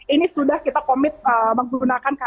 ini sudah kita komit menggunakan